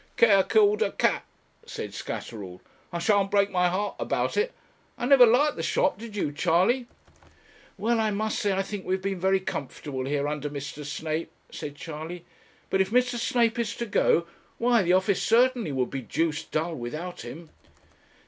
'Care killed a cat,' said Scatterall. 'I shan't break my heart about it. I never liked the shop did you, Charley?' 'Well, I must say I think we have been very comfortable here, under Mr. Snape,' said Charley. But if Mr. Snape is to go, why the office certainly would be deuced dull without him.'